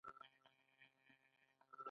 ګل دلې وو، ګل پاڼه ولاړه.